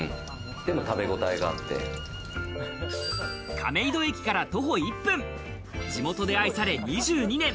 亀戸駅から徒歩１分、地元で愛され２２年。